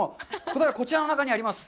答えは、こちらの中にあります。